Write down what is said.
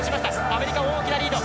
アメリカ大きなリード。